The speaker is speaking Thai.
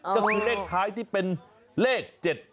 ก็คือเลขท้ายที่เป็นเลข๗๗